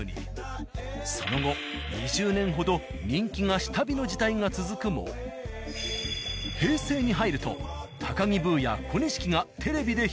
その後２０年ほど人気が下火の時代が続くも平成に入ると高木ブーや小錦がテレビで披露。